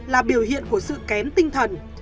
là biểu hiện của sự kém tinh thần